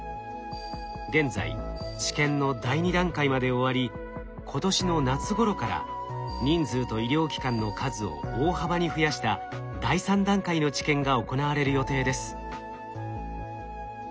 現在治験の第２段階まで終わり今年の夏ごろから人数と医療機関の数を大幅に増やした第３段階の治験が行われる予定です。